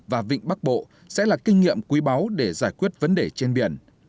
và vịnh bắc bộ sẽ là kinh nghiệm quý báu để giải quyết vấn đề trên biển